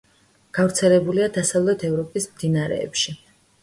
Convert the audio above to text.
გავრცელებულია დასავლეთ ევროპის მდინარეებში.